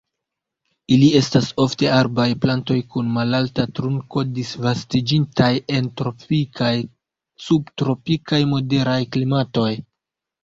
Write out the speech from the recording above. Ili estas ofte arbaj plantoj kun malalta trunko, disvastiĝintaj en tropikaj, subtropikaj, moderaj klimatoj.